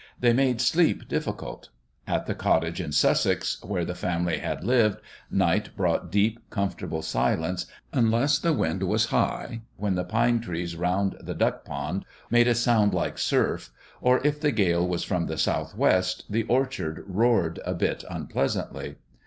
They made sleep difficult. At the cottage in Sussex where the family had lived, night brought deep, comfortable silence, unless the wind was high, when the pine trees round the duck pond made a sound like surf, or if the gale was from the south west, the orchard roared a bit unpleasantly.